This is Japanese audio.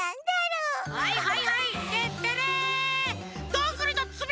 はいはいはいてってれ！